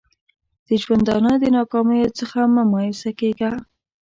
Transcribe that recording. د ژوندانه د ناکامیو څخه مه مایوسه کېږه!